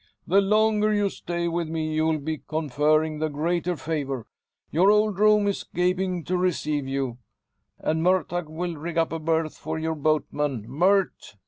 The longer you stay with me you'll be conferring the greater favour. Your old room is gaping to receive you; and Murtagh will rig up a berth for your boatman. Murt!"